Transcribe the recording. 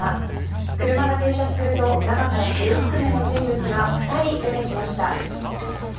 車が停車すると、中から黒ずくめの人物が２人出てきました。